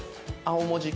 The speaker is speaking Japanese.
青文字？